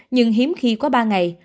nhưng hiếm khi có ba ngày